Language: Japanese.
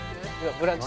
『ブランチ』。